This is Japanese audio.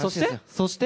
そして？